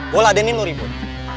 gua ladenin lu ribut